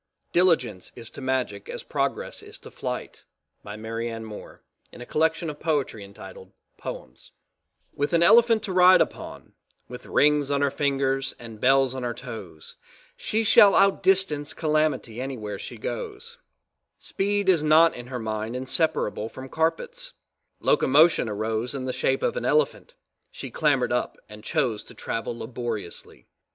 DILIGENCE IS TO MAGIC AS PRO GRESS IS TO FLIGHT With an elephant to ride upon "with rings on her fingers and bells on her toes," she shall outdistance calamity anywhere she goes. Speed is not in her mind inseparable from carpets. Locomotion arose in the shape of an elephant, she clambered up and chose to travel laboriously.